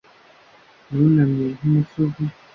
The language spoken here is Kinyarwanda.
Yunamye nkumusozi